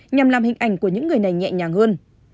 nhằm làm hình ảnh của những người này nhẹ nhàng hơn